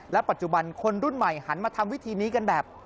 ปัจจุบันคนรุ่นใหม่หันมาทำวิธีนี้กันแบบ